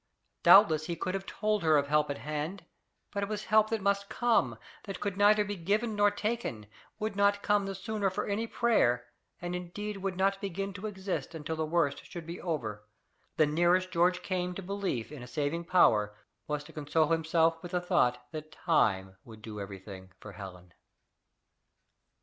Doubtless he could have told her of help at hand, but it was help that must come, that could neither be given nor taken, would not come the sooner for any prayer, and indeed would not begin to exist until the worst should be over: the nearest George came to belief in a saving power, was to console himself with the thought that TIME would do everything for Helen.